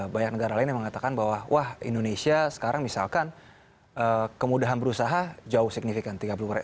banyak negara lain yang mengatakan bahwa wah indonesia sekarang misalkan kemudahan berusaha jauh signifikan